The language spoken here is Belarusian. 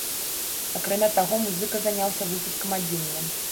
Акрамя таго, музыка заняўся выпускам адзення.